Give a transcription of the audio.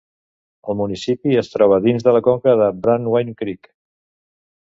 El municipi es troba dins de la conca de Brandywine Creek.